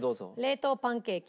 冷凍パンケーキ。